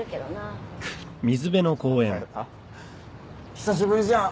久しぶりじゃん。